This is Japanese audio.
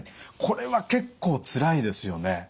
これは結構つらいですよね。